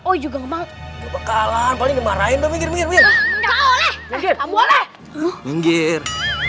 oh juga enggak bakalan paling marahin lebih lebih enggak boleh boleh menggir